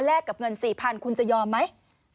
กับเงิน๔๐๐๐คุณจะยอมไหม